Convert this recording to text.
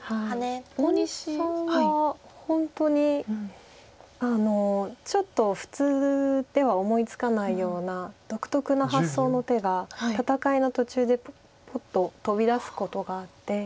大西さんは本当にちょっと普通では思いつかないような独特な発想の手が戦いの途中でぽっと飛び出すことがあって。